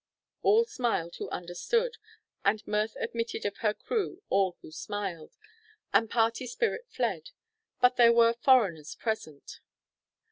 All smiled who understood, and mirth admitted of her crew all who smiled, and party spirit fled. But there were foreigners present.